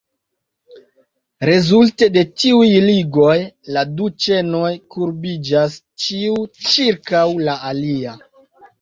Rezulte de tiuj ligoj, la du ĉenoj kurbiĝas, ĉiu ĉirkaŭ la alia.